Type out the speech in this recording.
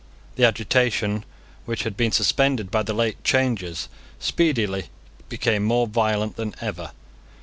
The agitation, which had been suspended by the late changes, speedily became more violent than ever.